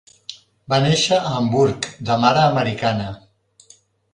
Va néixer a Hamburg, de mare americana.